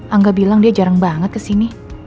angga bilang dia jarang banget kesini